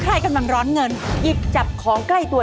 ใครกำลังร้อนเงินหยิบจับของใกล้ตัว